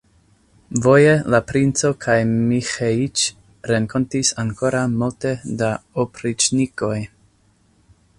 Voje la princo kaj Miĥeiĉ renkontis ankoraŭ multe da opriĉnikoj.